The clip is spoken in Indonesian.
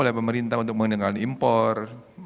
oleh pemerintah untuk mengenalkan impor